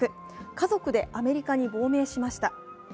家族でアメリカに亡命しました。